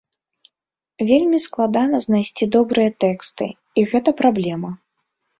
Вельмі складана знайсці добрыя тэксты, і гэта праблема.